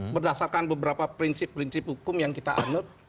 berdasarkan beberapa prinsip prinsip hukum yang kita anut